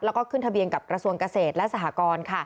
แล้วก็ขึ้นทะเบียนกับกระทรวงเกษตรและสหกร